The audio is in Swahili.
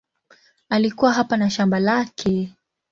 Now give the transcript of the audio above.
Alikuwa hapa na shamba lake.